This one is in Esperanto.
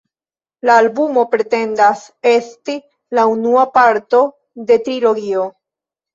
La albumo pretendas esti la unua parto de trilogio.